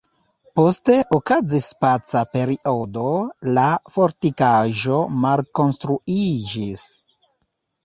Poste okazis paca periodo, la fortikaĵo malkonstruiĝis.